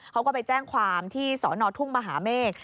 เขาก็ไปแจ้งความที่สอนอทุ่งมหาเมฆ